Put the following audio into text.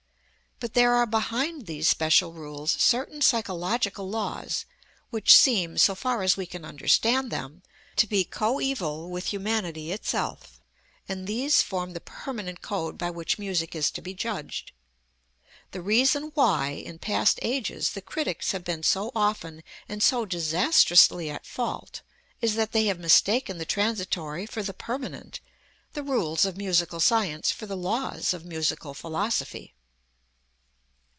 But there are behind these special rules certain psychological laws which seem, so far as we can understand them, to be coeval with humanity itself; and these form the permanent code by which music is to be judged. The reason why, in past ages, the critics have been so often and so disastrously at fault is that they have mistaken the transitory for the permanent, the rules of musical science for the laws of musical philosophy."